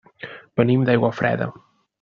Venim d'Aiguafreda.